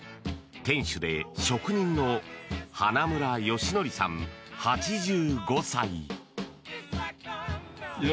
店主で職人の花村芳範さん、８５歳。